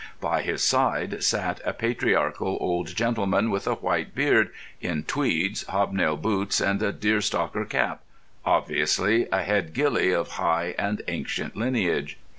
By his side sat a patriarchal old gentleman with a white beard, in tweeds, hobnail boots, and a deerstalker cap—obviously a head ghillie of high and ancient lineage.